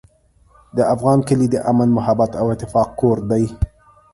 د افغان کلی د امن، محبت او اتفاق کور دی.